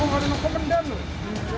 jangan nombor komendan lho